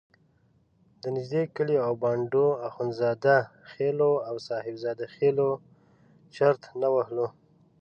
د نږدې کلیو او بانډو اخندزاده خېلو او صاحب زاده خېلو چرت نه وهلو.